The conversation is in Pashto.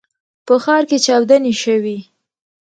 په ښار کې چاودنې شوي.